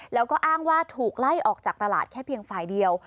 แล้วก็อ้างว่าถูกไล่ออกจากตลาดแค่เพียงฝ่ายเดียว